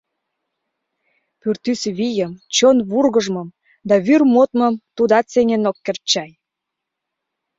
Пӱртӱс вийым, чон вургыжмым да вӱр модмым тудат сеҥен ок керт чай.